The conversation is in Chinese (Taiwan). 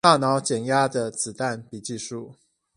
大腦減壓的子彈筆記術